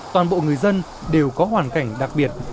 toàn bộ người dân đều có hoàn cảnh đặc biệt